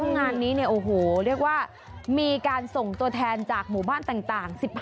งานนี้เนี่ยโอ้โหเรียกว่ามีการส่งตัวแทนจากหมู่บ้านต่าง๑๕